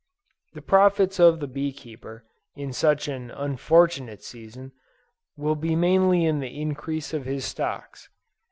The profits of the bee keeper, in such an unfortunate season, will be mainly in the increase of his stocks.